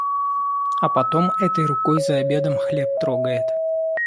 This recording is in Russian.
А потом этой рукой за обедом хлеб трогает.